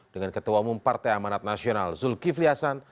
dengan ketua umum partai amanat nasional zulkifli hasan